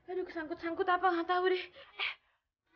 aduh kesangkut sangkut apa gak tau deh